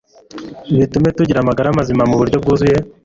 bitume tugira amagara mazima mu buryo bwuzuye